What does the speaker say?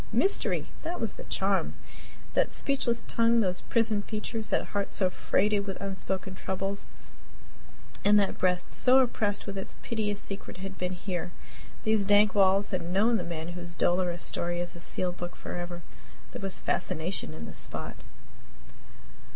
Mystery! That was the charm. That speechless tongue, those prisoned features, that heart so freighted with unspoken troubles, and that breast so oppressed with its piteous secret had been here. These dank walls had known the man whose dolorous story is a sealed book forever! There was fascination in the spot.